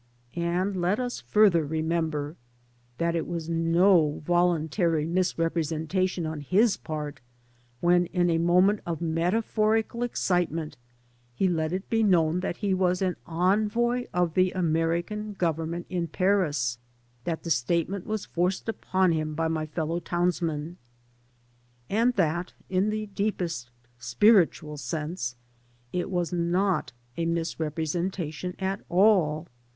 And let us further remember that it was no volimtary misrepresentation on his part when in a moment of metaphorical excitement he let it be known that he was an envoy of the American Government in Paris; that the statement was forced upon him by my fellow townsmen; and that in the deepest spiritual sense it was not a misrepresentation at all.